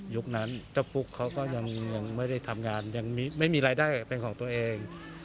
นั้นเจ้าปุ๊กเขาก็ยังไม่ได้ทำงานยังไม่มีรายได้เป็นของตัวเอง